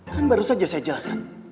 kan baru saja saya jelaskan